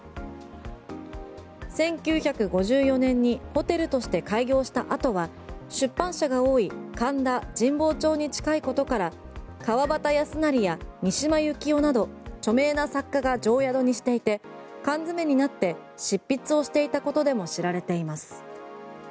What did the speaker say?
１９５４年にホテルとして開業した後は出版社が多い神田神保町に近いことから川端康成や三島由紀夫など著名な作家が常宿にしていて缶詰めになって執筆をしていたことでも知られています。